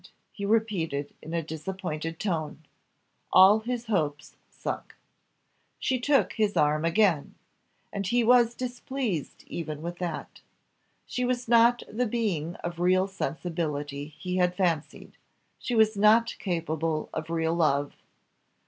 he repeated in a disappointed tone all his hopes sunk. She took his arm again, and he was displeased even with that. She was not the being of real sensibility he had fancied she was not capable of real love.